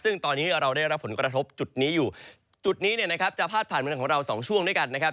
ซึ่งตอนนี้เราได้รับผลกระทบจุดนี้อยู่จุดนี้เนี่ยนะครับจะพาดผ่านเมืองของเราสองช่วงด้วยกันนะครับ